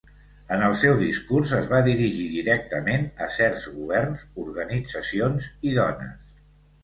En el seu discurs es va dirigir directament a certs governs, organitzacions i dones.